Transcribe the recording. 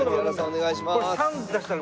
お願いします